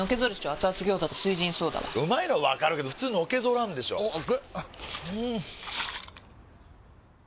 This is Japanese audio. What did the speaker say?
アツアツ餃子と「翠ジンソーダ」はうまいのはわかるけどフツーのけぞらんでしょアツ！